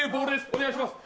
お願いします。